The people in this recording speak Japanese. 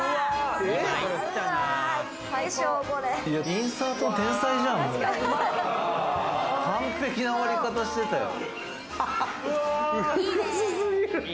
インサート天才じゃん、もう、完璧な割り方してたよ。